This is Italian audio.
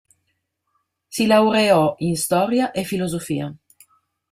Si laureò in Storia e Filosofia.